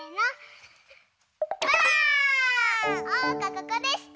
ここでした！